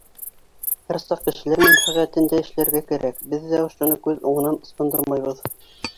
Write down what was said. Һәр саҡ кешеләр мәнфәғәтендә эшләргә кәрәк, беҙ ҙә ошоно күҙ уңынан ысҡындырмайбыҙ.